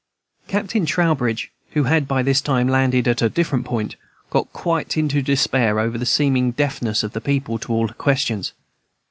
Captain Trowbridge, who had by this time landed at a different point, got quite into despair over the seeming deafness of the people to all questions.